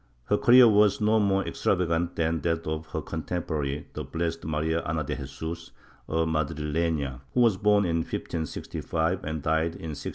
Her career was no more extra vagant than that of her contemporary, the Blessed Maria Ana de Jesus, a Madrilena, who was born in 1565 and died in 1624.